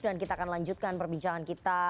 dan kita akan lanjutkan perbincangan kita